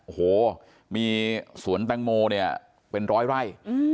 โอ้โหมีสวนแตงโมเนี่ยเป็นร้อยไร่